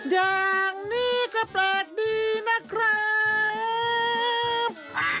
อย่างนี้ก็แปลกดีนะครับ